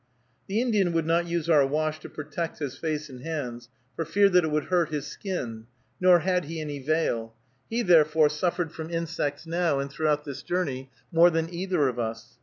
The Indian would not use our wash to protect his face and hands, for fear that it would hurt his skin, nor had he any veil; he, therefore, suffered from insects now, and throughout this journey, more than either of us.